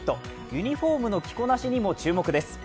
ユニフォームの着こなしにも注目です。